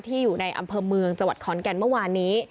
อยู่ในอำเภอเมืองจังหวัดขอนแก่นเมื่อวานนี้